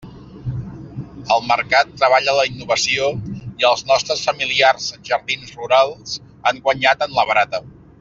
El mercat treballa la innovació i els nostres familiars jardins rurals han guanyat en la barata.